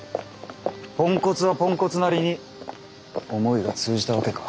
ポンコツはポンコツなりに思いが通じたわけか。